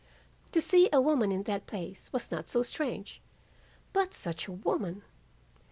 To see a woman in that place was not so strange; but such a woman!